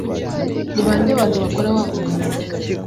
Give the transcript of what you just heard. Ni bande abantu bakora wa mugani